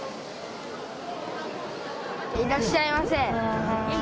いらっしゃいませ。